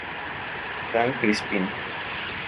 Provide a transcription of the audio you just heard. San Crispin